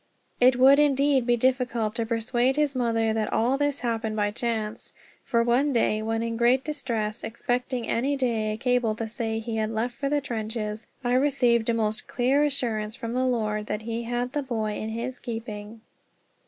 It would indeed be difficult to persuade his mother that all this happened by chance; for one day, when in great distress, expecting any day a cable to say he had left for the trenches, I received a most clear assurance from the Lord that he had the boy in his keeping.